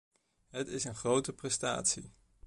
Het is een grote prestatie.